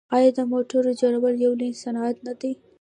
آیا د موټرو جوړول یو لوی صنعت نه دی؟